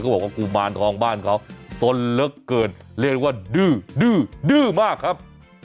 บอกว่ากุมารทองบ้านเขาสนเหลือเกินเรียกว่าดื้อดื้อดื้อมากครับ